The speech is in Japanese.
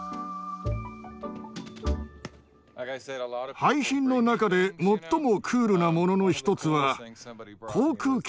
廃品の中で最もクールなものの一つは航空機のノーズコーンだよ。